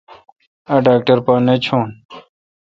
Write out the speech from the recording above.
اے°ڈاکٹر پہ نہ چھون۔